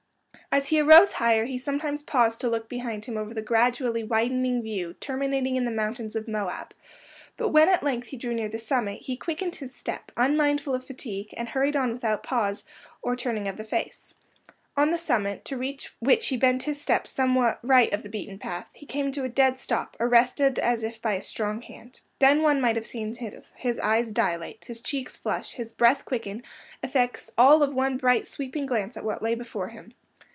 As he arose higher, he sometimes paused to look behind him over the gradually widening view terminating in the mountains of Moab; but when at length he drew near the summit, he quickened his step, unmindful of fatigue, and hurried on without pause or turning of the face. On the summit—to reach which he bent his steps somewhat right of the beaten path—he came to a dead stop, arrested as if by a strong hand. Then one might have seen his eyes dilate, his cheeks flush, his breath quicken, effects all of one bright sweeping glance at what lay before him.